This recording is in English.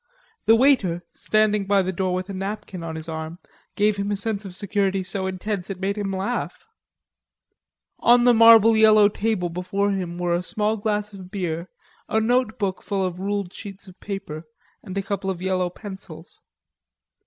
The waiter, standing by the door with a napkin on his arm, gave him a sense of security so intense it made him laugh. On the marble table before him were a small glass of beer, a notebook full of ruled sheets of paper and a couple of yellow pencils.